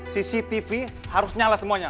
cctv harus nyala semuanya